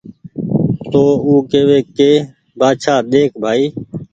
تو او ڪيوي ڪي بآڇآ ۮيک ڀآئي